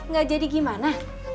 gak jadi gimana